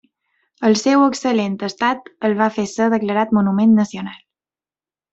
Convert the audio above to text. El seu excel·lent estat el va fer ser declarat monument nacional.